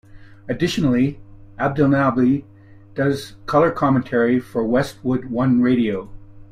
Additionally, Abdelnaby does color commentary for Westwood One Radio.